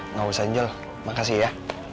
nggak usah angel makasih ya